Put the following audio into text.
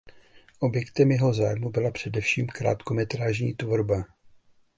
Objektem jeho zájmu byla především krátkometrážní tvorba.